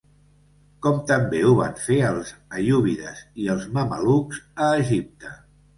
Com també ho van fer els aiúbides i els mamelucs a Egipte.